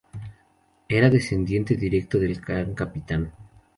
Era descendiente directo del Gran Capitán.